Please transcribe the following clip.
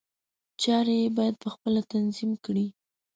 چارې یې باید په خپله تنظیم کړي.